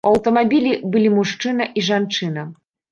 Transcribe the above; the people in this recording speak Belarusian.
У аўтамабілі былі мужчына і жанчына.